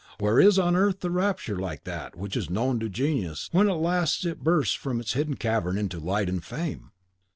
Where is on earth the rapture like that which is known to genius when at last it bursts from its hidden cavern into light and fame!